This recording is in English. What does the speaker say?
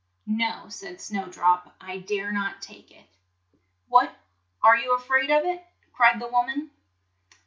"No," said Snow drop, "I dare not take it." "What! are you a fraid of it?" cried the old wom an.